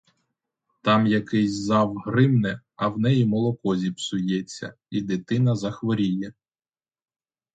Там якийсь зав гримне, а в неї молоко зіпсується, і дитина захворіє.